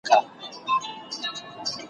بیا به ګل د ارغوان وي ته به یې او زه به نه یم `